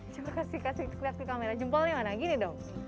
coba kasih kasih lihat ke kamera jempolnya mana gini dong